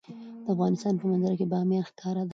د افغانستان په منظره کې بامیان ښکاره ده.